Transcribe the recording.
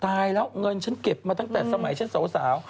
ตายแล้วเงินฉันเก็บมาตั้งแต่สมัยฉันสาว